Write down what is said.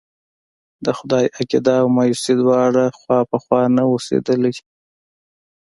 د خدای عقيده او مايوسي دواړه خوا په خوا نه اوسېدلی.